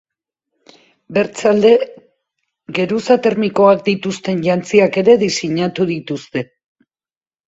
Bestalde, kapa termikoak dituzten jantziak ere diseinatu dituzte.